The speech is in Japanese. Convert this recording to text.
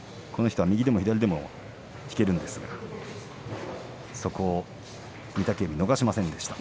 右でも左でも引けるんですがそこを御嶽海逃しませんでした。